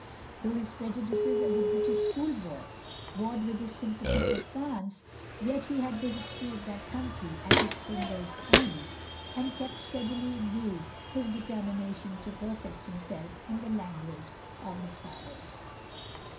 Though his prejudices as a British schoolboy warred with his sympathy for France, yet he had the history of that country at his fingers' ends, and kept steadily in view his determination to perfect himself in the language of his fathers.